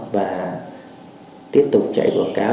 và tiếp tục chạy quảng cáo